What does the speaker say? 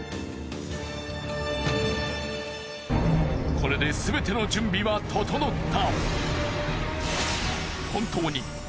これですべての準備は整った。